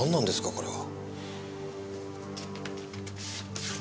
これは。